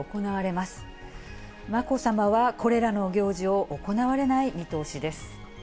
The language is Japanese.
まこさまはこれらの行事を行われない見通しです。